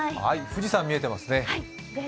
富士山、見えていますね。